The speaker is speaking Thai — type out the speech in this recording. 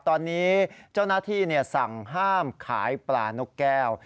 ตอนนี้เจ้าหน้าที่สั่งห้ามขายปลานกแก้ว